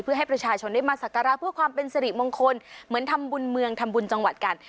เพื่อให้ประชาชนได้มาสักการะเพื่อความเป็นสิริมงคลเหมือนทำบุญเมืองทำบุญจังหวัดกัน